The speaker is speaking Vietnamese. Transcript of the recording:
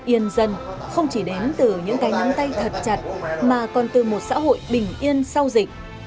yên dân không chỉ đến từ những cái nắm tay thật chặt mà còn từ một xã hội bình yên sau dịch